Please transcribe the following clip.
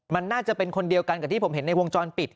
มันน่าจะเป็นคนเดียวกันกับที่ผมเห็นในวงจรปิด